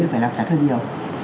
thì phải làm trả thân nhiều